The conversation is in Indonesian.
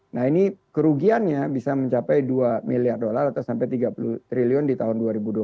nah ini kerugiannya bisa mencapai dua miliar dolar atau sampai tiga puluh triliun di tahun dua ribu dua puluh satu